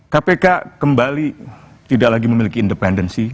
kpk kembali tidak lagi memiliki independensi